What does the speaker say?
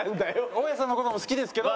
大家さんの事も好きですけど。